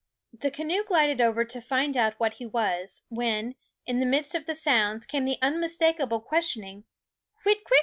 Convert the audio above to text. The canoe glided over to find out what he was, when, in the midst of the sounds, came the unmistakable questioning Whit kwit?